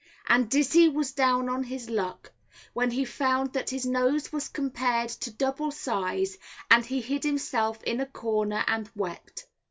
And Dizzey was down on his luck, when he found that his nose was compared to double size, and he hid himself in a corner and wept.